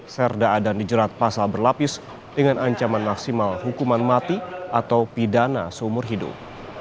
serda adan dijerat pasal berlapis dengan ancaman maksimal hukuman mati atau pidana seumur hidup